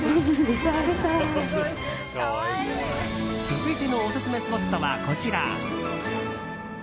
続いてのオススメスポットはこちら。